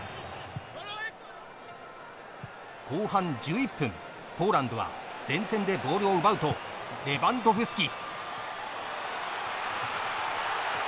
後半１１分ポーランドは前線でボールを奪うとレバンドフスキ。